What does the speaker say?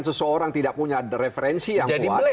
seseorang tidak punya referensi yang kuat